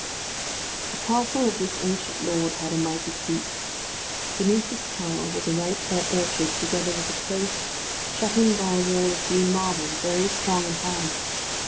The castle of this ancient lord had a mighty keep. Beneath this tower was a right fair orchard, together with a close, shut in by a wall of green marble, very strong and high.